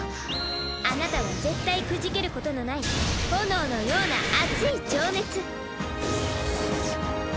あなたは絶対くじけることのない炎のような熱い情熱。